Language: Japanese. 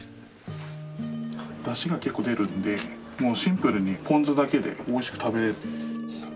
出汁が結構出るんでもうシンプルにポン酢だけで美味しく食べれる。